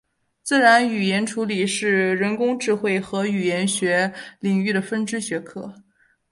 自然语言处理是人工智慧和语言学领域的分支学科。